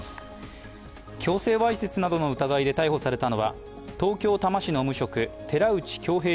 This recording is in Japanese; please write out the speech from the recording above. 強制わいせつなどの疑いで逮捕されたのは、東京・多摩市の無職、寺内響平